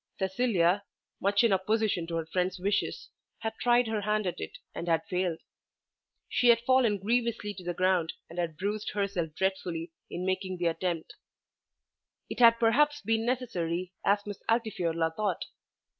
Cecilia, much in opposition to her friend's wishes, had tried her hand at it and had failed. She had fallen grievously to the ground and had bruised herself dreadfully in making the attempt. It had perhaps been necessary, as Miss Altifiorla thought.